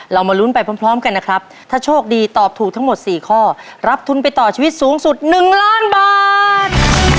มาลุ้นไปพร้อมกันนะครับถ้าโชคดีตอบถูกทั้งหมด๔ข้อรับทุนไปต่อชีวิตสูงสุด๑ล้านบาท